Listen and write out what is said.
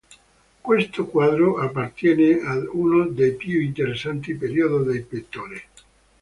Questo quadro appartiene ad uno dei più interessanti periodi del pittore.